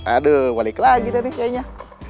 aduh balik lagi tadi kayaknya